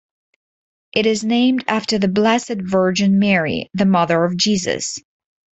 It is named after the Blessed Virgin Mary, the mother of Jesus.